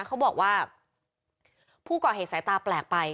ลูกนั่นแหละที่เป็นคนผิดที่ทำแบบนี้